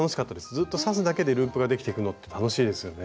ずっと刺すだけでループができてくのって楽しいですよね。